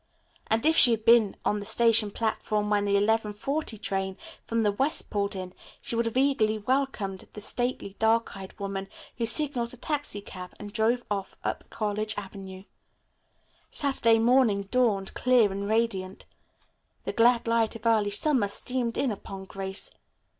And if she had been on the station platform when the 11.40 train from the west pulled in she would have eagerly welcomed the stately dark eyed woman who signaled a taxicab and drove off up College Avenue. Saturday morning dawned, clear and radiant. The glad light of early summer streamed in upon Grace.